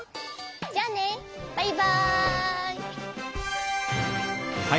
じゃあねバイバイ！